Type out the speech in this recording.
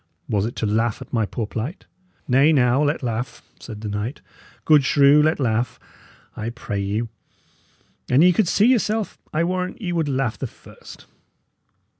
"Was it to laugh at my poor plight?" "Nay, now, let laugh," said the knight. "Good shrew, let laugh, I pray you. An ye could see yourself, I warrant ye would laugh the first."